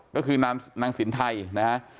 ก็คือนางสินไทยนะฮะ